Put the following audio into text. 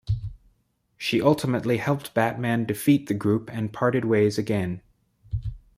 She ultimately helped Batman defeat the group and parted ways again.